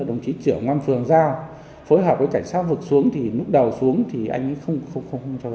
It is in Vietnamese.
ông chỉ trưởng ngăn phường rào phối hợp với cảnh sát vượt xuống thì núp đầu xuống thì anh ấy không cho rằng